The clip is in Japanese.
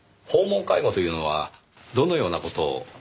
訪問介護というのはどのような事を？